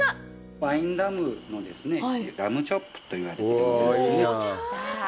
ワインラムのですね、ラムチョップと言われてる部分ですね。